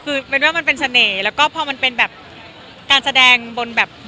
คือเป็นว่ามันเป็นเสน่ห์แล้วก็พอมันเป็นแบบการแสดงบนแบบ